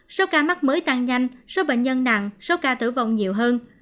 số ca mắc mới tăng nhanh số bệnh nhân nặng số ca tử vong nhiều hơn